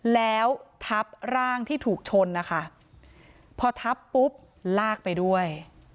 แล้วทับร่างที่ถูกชนนะคะพอทับปุ๊บลากไปด้วย